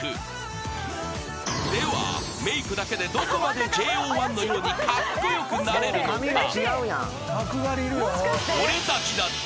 ［ではメークだけでどこまでＪＯ１のようにカッコ良くなれるのか？］